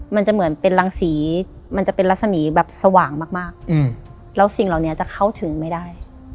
มันจะเหมือนเป็นรังสีมันจะเป็นรัศมีแบบสว่างมากแล้วสิ่งเหล่านี้จะเข้าถึงไม่ได้